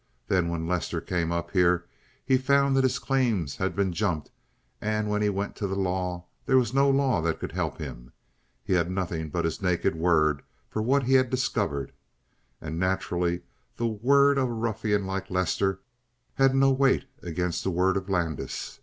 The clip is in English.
Then when Lester came up here he found that his claims had been jumped, and when he went to the law there was no law that could help him. He had nothing but his naked word for what he had discovered. And naturally the word of a ruffian like Lester had no weight against the word of Landis.